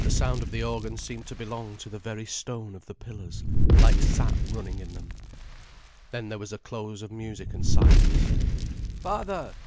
The sound of the organ seemed to belong to the very stone of the pillars, like sap running in them. Then there was a close of music and silence. "Father!"